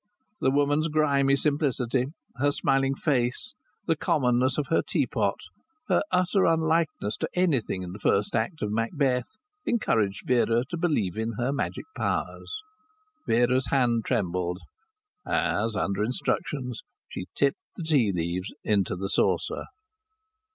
The woman's grimy simplicity, her smiling face, the commonness of her teapot, her utter unlikeness to anything in the first act of Macbeth, encouraged Vera to believe in her magic powers. Vera's hand trembled as, under instructions, she tipped the tea leaves into the saucer.